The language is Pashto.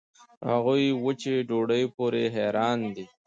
هغوي وچې ډوډوۍ پورې حېران دي.